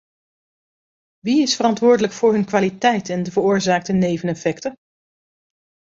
Wie is verantwoordelijk voor hun kwaliteit en de veroorzaakte neveneffecten?